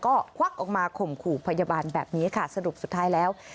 ก็ควักออกมาข่มขู่พยาบาลแบบนี้ค่ะสรุปสุดท้ายแล้ว